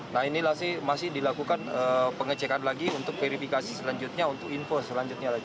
nah ini masih dilakukan pengecekan lagi untuk verifikasi selanjutnya untuk info selanjutnya lagi